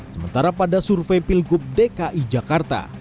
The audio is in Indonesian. sementara pada survei pilgub dki jakarta